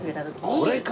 これか！